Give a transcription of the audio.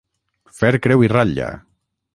Fer creu i ratlla.